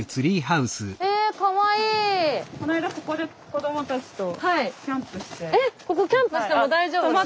こないだえっここキャンプしても大丈夫なんですか？